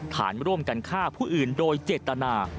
ฐานร่วมกันฆ่าผู้อื่นโดยเจตนา